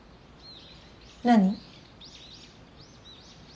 何？